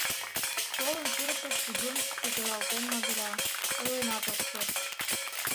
Толын пурышо кужун сигыралтен магыра, ойленат ок керт.